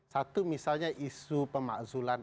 satu misalnya isu pemakzulan